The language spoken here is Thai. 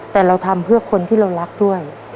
แต่เราทำเพื่อคนที่เรารักด้วย